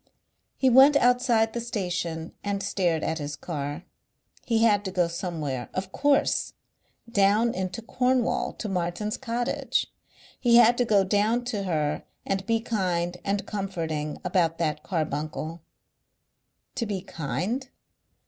He went outside the station and stared at his car. He had to go somewhere. Of course! down into Cornwall to Martin's cottage. He had to go down to her and be kind and comforting about that carbuncle. To be kind?...